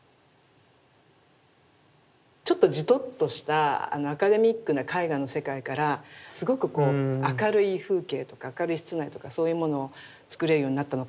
ちょっとジトッとしたアカデミックな絵画の世界からすごく明るい風景とか明るい室内とかそういうものをつくれるようになったのかな。